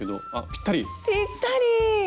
ぴったり！